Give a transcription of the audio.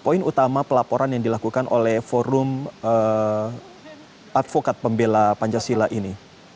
poin utama pelaporan yang dilakukan oleh forum advokat pembela pancasila ini